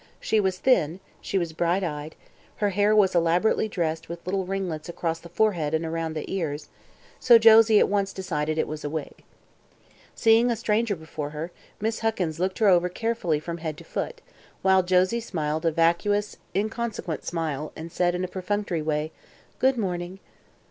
She was thin; she was bright eyed; her hair was elaborately dressed with little ringlets across the forehead and around the ears, so Josie at once decided it was a wig. Seeing a stranger before her, Miss Huckins looked her over carefully from head to foot, while Josie smiled a vacuous, inconsequent smile and said in a perfunctory way: "Good morning."